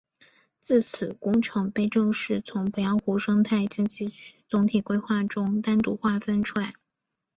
自此工程被正式从鄱阳湖生态经济区总体规划中单独划分出来。